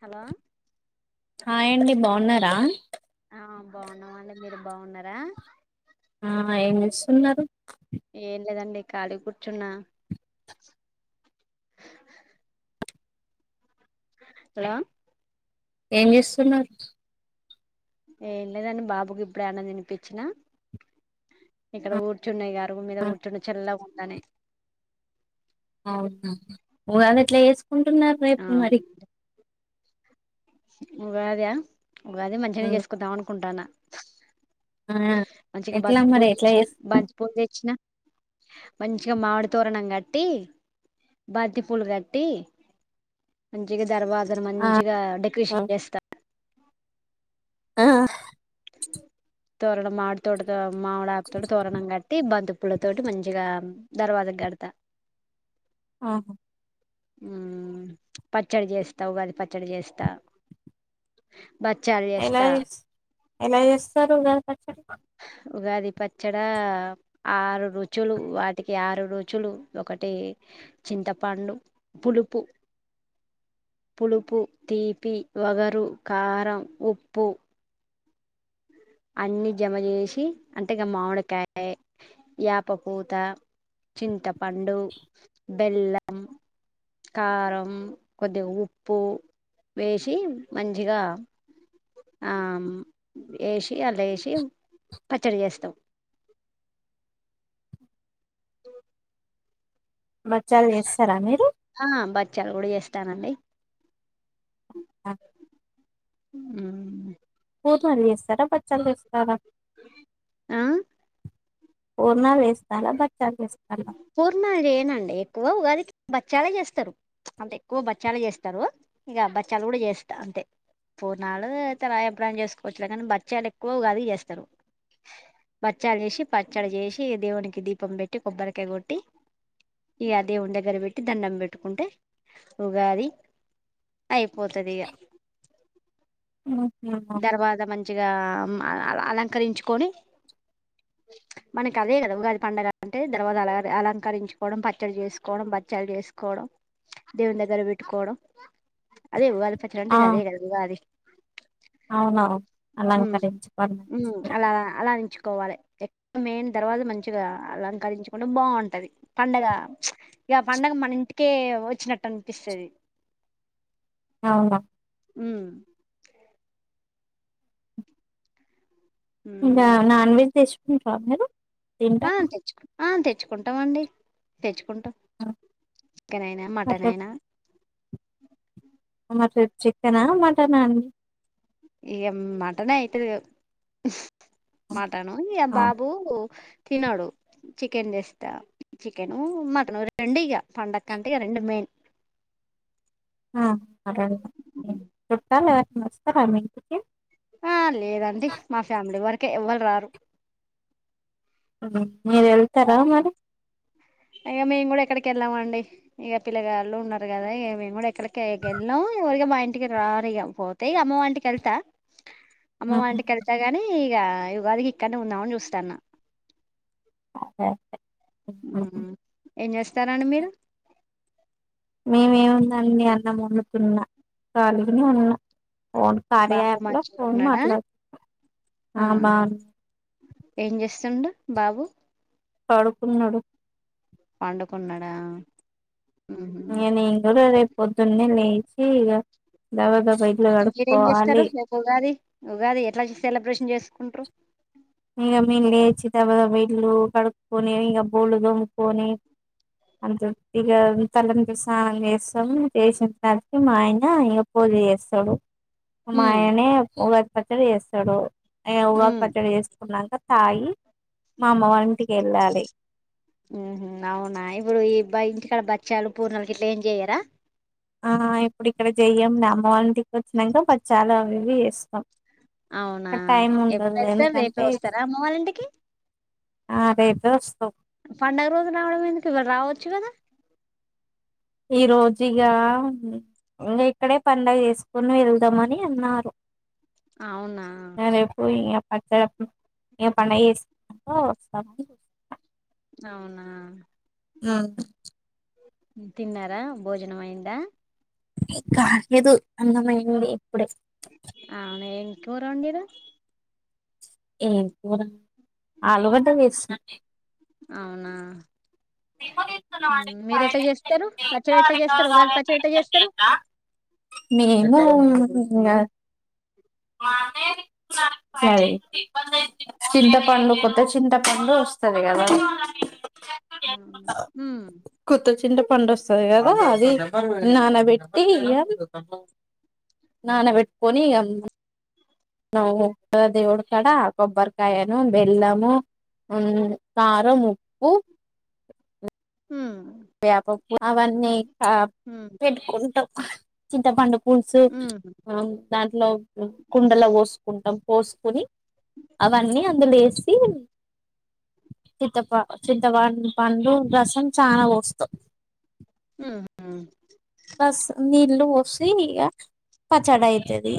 Hello hi ఆండి బాగున్నారా ఆ బాగున్నామండి మీరు బాగున్నారా ఆ ఏం చేస్తున్నారు ఏం లేదండి కాలీ కూర్చున్నా హలో ఏం చేస్తున్నారు ఏం లేదండి బాబుకి ఇప్పుడే అన్నం తినిపించినా ఇక్కడ ఆ, కూర్చున్నా ఇక అరుగు మీద కూర్చున్న చల్లగా అని ఉగాదెట్ల చేసుకుంటుంన్నారు కుంటున్నారు రేపు మరి ఉగాద ఉగాది మంచిగనే చేసుకుందాం అనుకుంటాన ఆ మంచిగా బం ఎట్లా మరి పూలు ఎట్లా తెచ్చిన చేస్ బంతి పూలు తెచ్చిన మంచిగా మామిడి తోరణం కట్టి బంతి పూలు కట్టి మంచిగా దర్వా ఆ మంచిగా డె కృషి చేస్తా ఆ తోరణం మామిడి తోట దా మామిడి ఆకు తోటి తోరణం కట్టి బంతి పు పూలతోటి మంచిగా దర్వజా కి కడ్త ఆహా హామ్ పచ్చడి చేస్తా ఉగాది పచ్చడి చేస్తా బచ్చాలు ఎలా చేస్తా చేస్ ఎలా చేస్తారు ఉగాది పచ్చడి ఉగాది పచ్చడా ఆరు రుచులు వాటికి ఆరు రుచులు ఒకటి చింతపండు పులుపు పులుపు తీపి వగరు కారం ఉప్పు అన్ని జమజేసి అంటే ఇగ మామిడికాయ యాపపూత చింతపండు పండు బెల్లం కారం కొద్దిగా ఉప్పు వేసి మంచిగా ఆ వేసి దాన్లో వేసి పచ్చడి చేస్తాం [unintelligible] బచ్చాలు చేస్తారా మీరు ఆ బచ్చాలు కూడా చేస్తానండి ఆ మ్మ్ పూర్ణాలు చేస్తారా బచ్చాలు చేస్తారా ఆహ్ పూర్ణాలు చేస్తారా బచ్చాలు చేస్తారా పూర్ణాలు చెయ్యరా అండి ఎక్కువ ఉగాది బచ్చాలే చేస్తారు అంటే ఎక్కువ బచ్చాలే చేస్తారు ఇగ బచ్చాలు కూడా చేస్తా అంతే పూర్ణాలు తరువాత ఎప్పుడన్న చేసుకోవచ్చులే కానీ బచ్చాలు ఎక్కువ ఉగాదికి చేస్తారు బచ్చాలు చేసి పచ్చడి చేసి దేవునికి దీపం పెట్టి కొబ్బరి కాయ కొట్టి ఇగ దేవుని దగ్గర పెట్టి దండం పెట్టుకుంటే ఉగాది అయిపోతది ఇగ ఓహో ఇగ అలంకరించుకొని మనకి అదే కదా ఉగాది పండగ అంటే జెర అలంకరించుకోవడం పచ్చడి చేసుకోవడం బచ్చలు చేసుకోవడం దేవుని దగ్గర పెట్టుకోవడం అదే ఉగాది పచ్చడి అంటే ఇగ అదే కదా ఉగాది అవున ఉమ్ అంకరించుకోవాలి అని అనిపించిందా కోవాలె ఎక్ మేయిన దర్వాజా మంచిగా అలంకరించుకుంటే బాగుంటది పండగ ఇక పండగ మన ఇంటికే వచ్చినట్టు అనిపిస్తుంది అవునా ఉమ్ ఉందా నాన్వెజ్ తెచ్ మీరు పంమేదు ఆహ్ తెచ్చుకున్న ఆహ్ తెచుక్ తెచ్చుకుంటామండి తెచ్చు కుంట ఆ, చికెన్ అయినా మటన్ అట్లా అయినా [inaudible] ముట్టన్ చికెనా మటనా అండి ఇం మటనే అయితురి మటన్ ఆ అవునా బాబు తినడు చికెన్ చేస్తా చికెను మటన్ రెండు ఇక పండగ అంటే ఇక రెండు మెయిన్ ఆ అర చట్టాల నమస్త ప్రమ ఆ లేదండి మా ఫ్యామిలీ వర ే ఎవ్వరు రారు అ అక మేము కూడా ఎక్కడ ఎక్కకెళ్ళామండి ఇక పిల్లగాళ్ళు ఉన్నారు కదా ఇక మేము కూడా ఎక్కడికి వెెళ్ళాం ఎఊరిగా మా ఇంటికి రనిక పోతే ఇక అమ్మ వా ఇంటికి వెళ్తా అమ్మమ్ హ్మ్. వాంటికి వెళ్తా గాని ఇక ఉగాదికి ఇక్కడనే ఉందామని చూస్తాన్న అే ఉమ్. ఏం చేస్తారడి మీరు మేమేముందంని అన్నం అమ్ముతున్నా కలిగుని ఉన్నా ఫోన్ కార్య బాబు యాప్ లో మంచిగా ఫోన్ ఉన్నాడా మాట్లాడుతు చం బాబు పాడుకున్నాడు పండుకున్నాడా ఉహు నేను ఈరోజ రేపు పొద్దున్న లేసి ఇగా దబ దబ ఇల్లు మీరేం చేస్తారు కడుకోవాలి రేపు ఉగాది ఉగాది ఎట్లా సెలబ్రేషన్ చేసుకుంటరు ఇంగా మీమ్ము లేచి దబ దబ ఇల్లు కడుక్కకొని, ఇంగా బోళ్ళు దొమ్ముకొని అంత ఇగా తల్లంటూ స్నానం చేస్తాము, చేసిన తర్వాత మా ఆయన ఇగా పూజ చేస్తాడు. ఉమ్ మాయనే వ పచ్చడి చేస్తడు ఏ ఉగాది పచ్చడి చేస్తే కున్నాక తాయి మ్ హ అవునా ఇప్పుడు ఈ బ్బాయి ఇక్కడ బచ్చాలు పూర్ణలు ఇట్లా ఏం చేయ్యరా ఆ ఇప్పుడు ఇక్కడ చెయ్యం నా అమ్మ వాళ్ళంటికి వచ్చినాక బచ్చాలు అవి ఇవి చేస్తాం అవునా టైం ఉండదు ఎప్పుడేల్ తర్ రేపే ఎందుకంటే వస్తారా అమ్మ వాళ్ళింటికి ఆ రేపె వస్తం పండుగ రోజు రావడం ఎందుకు ఇవాళ్ళ రావచ్చు కదా ఈ రోజుఇగా ఇక్కడే పండుగ చేసుకొని వెళ్దామని అన్నారు అవునా వచ్చేటప్పుడు ఇగా పండగ చేసుకొని వస్తాం అవునా ఉ తిన్నారా భోజనం అయిందా ఏ కాలేదు అన్నమయ్యంది ఇప్పుడే అవునా ఏం కూర వొండిర్రు ఎం కూర ఆలుగడ్డ చేసిన [inaudible] అవునా ఉమ్, మీరు ఎట్లా చేస్తారు పచ్చడి ఎట్లా చేస్తారు ఉగాది మె పచ్చడి ఎట్లా చేస్తారు [unintelligible] సరే చింత పండు కొత్త చింత పండు వస్తది గదా ఉమ్ ఉమ్ కొత్త చింత పండు వస వస్తది కదు అది నానబెట్టి ఇగ నానబెట్టుకొని ఇగ నవ్వు దేవుడు కాడ కొబ్బరికాయను బెల్లము కారము ఉప్పు మ్ వేప పు అవన్నీ ఆ ఉమ్. పెట్టుకుంటం చింతపండు పులుసు హ్మ్ దాంట్లో కుండలో పోసుకుంటం పోసుకుని అవన్నీ అందులో చిత్తప చిత్తపం పండు రసం చానా వస్త ఉమ్ మ్ ప్లస్ నీళ్ళు పోసి ఇక పచ్చడి అఇతది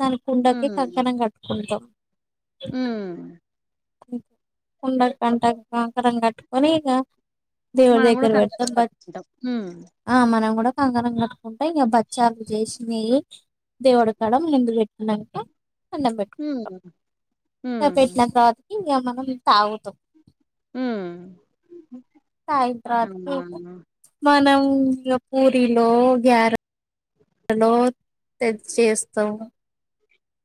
దానికి కుండకి కంకణం కట్టుకుంటం ఉమ్ కుండ కంటకంకణ కట్టుకొని ఇక దేవుడి మనం కూడా దగ్గర కంకణం పెడుతం కట్టుకుంటాం హ్మ్ ఆ మనం కూడా అంగనంగ ఉంటాయి ఇగ బచ్చాలు చేసినావి దేవుడు కడ ముందు పెట్టినంక అన్నం హ్మ్ పెట్టుకుంటం హ్మ్ పెట్టినం క ఇగ ఉంత వుతం హ్మ్ హైదరాద అవునా మనం పూరిలో గ్యార లో తెచ్చ చేస్తాము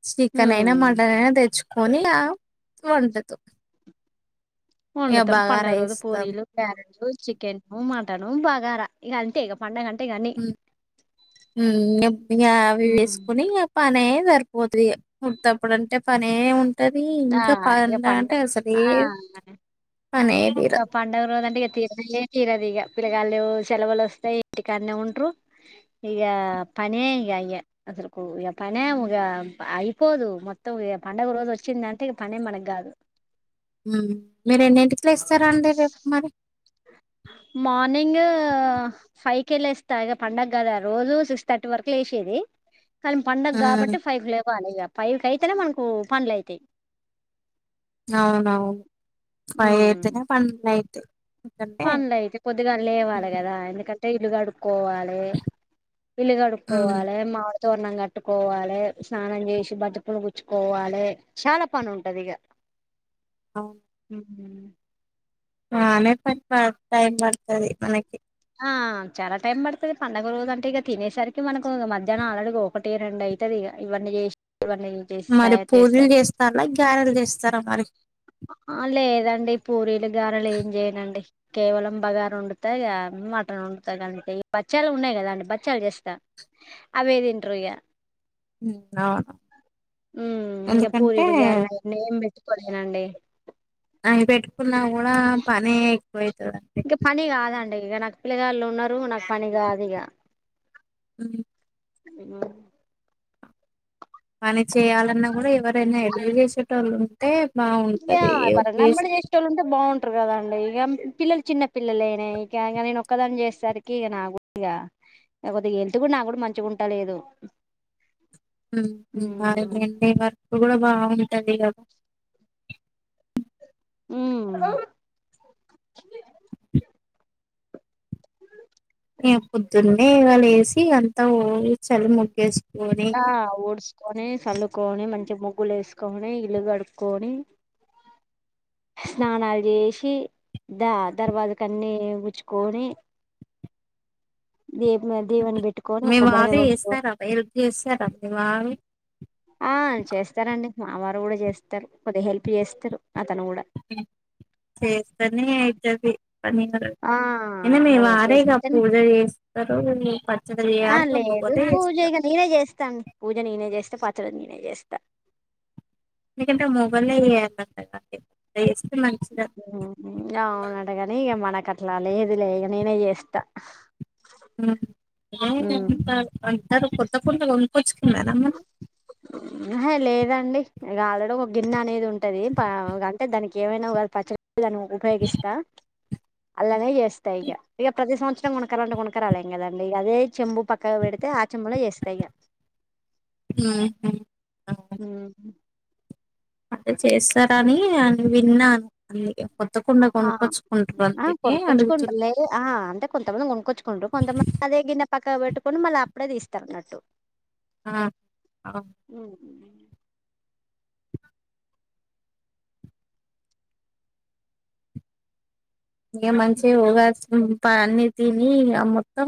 చికన్ైనా హ్మ్ మటన్ అయినా తెచ్చుకో పోనలా త ఉంటదు ఉండుతాం పండగ రోజ వేస్తాం పూరీలు క్యారెట్లు చికెను మటను బగారా ఇక అంటే ఇక పడుగ అంటే ఇగ అన్ని ఇ అవి వేసుకుని ఇ పానే సరిపోతు కుప్పుడు అంటే పని ఉంట అంటది ఆ ఇంకా ప ఇగ అంటే అసర పండగరుంట క తీరాధదిగా పిల్లకాయలు సెలవులు వస్తాయి ఇంటికాన్న ఉంట్ర ఇక పనే ఇక అయ్యా అసలు ఇక పనే ఇ అయిపోదు మొత్తం ఇ పండుగ రోజు వచ్చింది అంటే ఇక పనే మన కాదు మీర ఎన్నింటి ట్ ఇస్తారా అండి రేపు మరి మార్నింగ్ ఫైవ్ కెళ్ళస్తా పండగ కదా రోజు సిక్స్ థర్టీ వరకు లేసేది కానీ పండగ కాబట్టి ఫైవ్ లేవాలి ఫైవ్ క అయితే అనే మనకు పనులు అయితాయి అవునవును ఫైవతు పన్నెయితు పన్లయితే కొద్దిగా లేవాలే గదా ఎందుకంట్ టె ఇల్లుగడుగ్ ఇల్లు ఉమ్. కడుక్కోవాలి మామిడి తోర్నం గట్టుకోవాలే స్నానం చేసి బంతిపులు గుచ్చుకోవాలే చాలా పని ఉంటందిఇగ. అవును హ్మ్ ఆ లేకపోతె టైం పడుతది మనకి ఆ చాలా టైం పడుతది పండుగ రోజు అంటే ఇగ తినేసరికి మనకు మధ్యాహ్నం ఆల్రెడీ ఒకటి రెండయితదిగ ఇవన్నీ చేస్ మరి పూరీలు చేస్తలాా గ్యారెలు చేస్ స్తర మరి ఆ లేదండి పూరీలు గారెలు ఏం చేయనండి. కేవలం బగారొండుతా ఇగ మటన్ వండుతా గంతే బచ్చాలు ఉన్నాయి కదండి బచ్చాలు జేస్తా అవే తింట్రరు ఇక ఉమ్ అవును ఉమ్ ఎందుకంటే తినండి మీర్ పెట్టుక్ కున్నా గూడా పని ఎక్కువైతాదండీ ఇగ నాకు పిల్లగాళ్ళున్నరు నాకు పని కాదు ఇగ హ్మ్ మ్మ్ పని చేయాలన్నా గుడా ఎవరైనా ఎట్ల చేసేటోళ్ళు టే యా ధన్నంగుడ చేసేటోళ్ళుంటే బావుంటరు కదాండి ఇగ పిల్లలు చిన్న పిల్లలెనే ఇక ఇంగ నేను ఒక్కదాని చేస్సరికి ఇగ నాకు ఇగ ఇక కొద్దిగా ఎళ్తు కూడా నాకు కూడా మంచిగుంట లేదు. హుమ్ ఆయనుంటే వర్క్ గూడ బావుం తల్లి కదా ఉమ్ నేను పొద్దున్ న్నే ఇగల్లేసి అంత్ ఊడ్చి చల్లి ముగ్గేస్ ఆ ఊడ్స్కొని చల్లుకొని, మంచి ముగ్గులేసుకొని, ఇల్లు కడుక్కొని స్నానాల్ జేసి దర్వాజా కన్నీ గుచ్చుకొని దీపం దేవున్ని పెట్టుకొని మీ ఒక్కొబ్బరికాయ వారు గొట్టుకొని చేస్తారా హెల్ప్ చేస్తారా మీ వారు ఆ చేస్తారండి. మా వారు గూడ చేస్తారు కొద్దిగ హెల్ప్ జేస్తరు చేస్తనే ఐతది ఆ అయినా మీవారే ఇగ చేస్తేనే పూజ చేస్తరు పచ్చడి ఆ చేయాలి [unintelligible] లేదు పూజ చేస్త ఇక త్తగ నేనే చేస్తా మికింకా మొగొళ్ళే [inaudible] ఉమ్ అవునటగనీ ఇగ మనక్ గట్లా లేదులే ఇగ నేనే చేస్తా ఉమ్. [inaudible] కొత్త కుండ కొనుక్కొచ్చుకున్నరా మరి అహే లేదండి ఇక ఆల్రెడీ ఒక గిన్నె అనేది ఉంటది అంటే దానికి ఏమైనా ఉగాది పచ్చడి ఇలానే ఉపయోగిస్తా అల్లానే చేస్తా ఇగ. ఇగ ప్రతి సంవత్సరం కొనక్కరాలంటే కొనక్కరాలేం కదండి ఇగ అదే చెంబు పక్కకి పెడితే ఆ చెంబులో చేస్తా ఇగ హూమ్ హ్మ్మ్ అంటే చేస్తారని అని విన్నాను అందుకే కొత్త కుండ ఆ, కొనుక్కొచ్చుకుంటారు ఆ అందుకే కొను కొచ్చుకుంటరు అడుగుతున్నా లే ఆ అంటే కొంతమంది కొను కొచ్చుకుంటరు కొంతమంది అదే గిన్న పక్కకి పెట్టుకొని మళ్ళీ అప్పుడే తీస్తారన్నట్టు ఆ ఇగ మంచిగ ఉగాది అన్ని తిని మొత్తం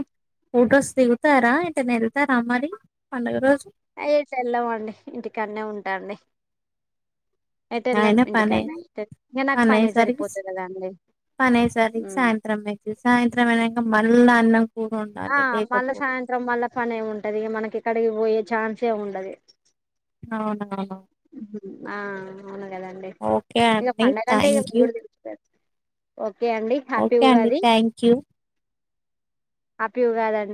ఫోటోస్ దిగుతారా ఎటైనా ఏళ్తారా మరి పండుగ రోజు ఆ ఎ టు వెళ్లమ్ అండి ఇంటికాన్నే ఉంటా అన్ డి అయినా పని నాకు పనే పనయ్యేసరికి సరిపోతది కదా అండి పనయ్యేసరికి ఉమ్ సాయంత్రం ఐద్ది సాయంత్రం ఐనాక మళ్ళా అన్నం కూర ఆ వండాలి మళ్లా లేకపోతే సాయంత్రం మళ్లా పని ఏమి ఉంటది ఇగ మనకి ఎ క్కడికి పోయే ఛాన్సే ఉండది అవునా? ఆ అవును కదండి ఓకే ఇక అండి పండగంటే ఇక థ్యాంక్ యూ ముగ్గులు దిద్దుతరు ఓ ఓకే అండి థాంక్యూ హ్యాపీ ఉగాది అండి